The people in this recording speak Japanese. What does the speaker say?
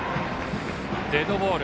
デッドボール。